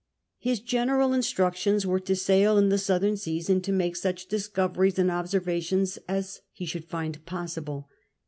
His general instructions were to ssiil in the southern seas and to make such discoveries and observations as he should find possible.